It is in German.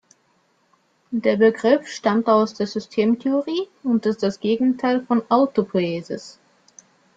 Der Begriff stammt aus der Systemtheorie und ist das Gegenteil von Autopoiesis.